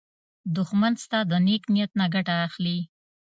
دښمن ستا د نېک نیت نه ګټه اخلي